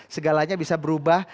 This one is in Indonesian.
segalanya bisa berubah